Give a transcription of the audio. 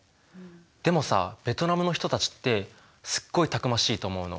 でもさベトナムの人たちってすっごいたくましいと思うの。